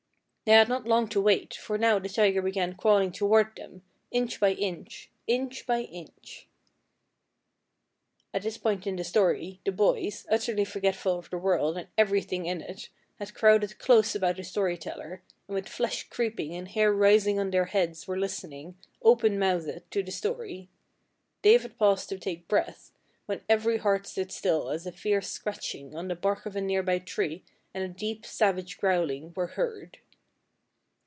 "They had not long to wait, for now the tiger began crawling toward them, inch by inch, inch by inch " At this point in the story the boys, utterly forgetful of the world and everything in it, had crowded close about the story teller, and with flesh creeping and hair rising on their heads were listening, open mouthed, to the story. Dave had paused to take breath, when every heart stood still as a fierce scratching on the bark of a nearby tree and a deep, savage growling were heard.